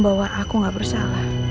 bahwa aku gak bersalah